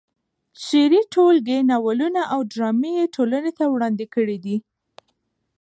شعري ټولګې، ناولونه او ډرامې یې ټولنې ته وړاندې کړې دي.